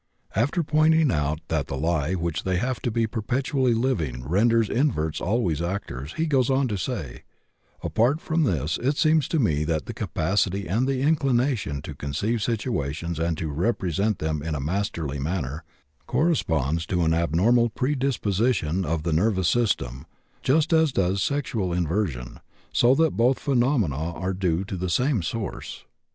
After pointing out that the lie which they have to be perpetually living renders inverts always actors, he goes on to say: Apart from this, it seems to me that the capacity and the inclination to conceive situations and to represent them in a masterly manner corresponds to an abnormal predisposition of the nervous system, just as does sexual inversion; so that both phenomena are due to the same source.